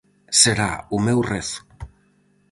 Será o meu rezo.